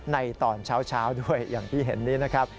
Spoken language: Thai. ในตอนเช้าด้วยอย่างที่เห็นนี้นะครับ